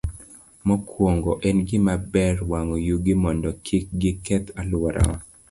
Mokwongo, en gima ber wang'o yugi mondo kik giketh alworawa.